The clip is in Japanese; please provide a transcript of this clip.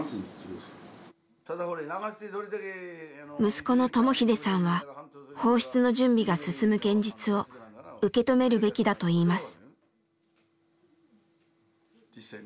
息子の智英さんは放出の準備が進む現実を受け止めるべきだといいます。